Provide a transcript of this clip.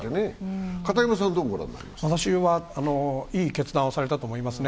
私はいい決断をされたと思いますね。